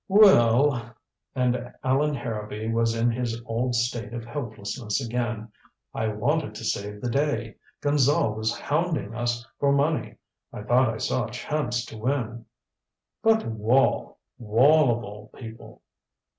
"Well " And Allan Harrowby was in his old state of helplessness again. "I wanted to save the day. Gonzale was hounding us for money I thought I saw a chance to win " "But Wall! Wall of all people!"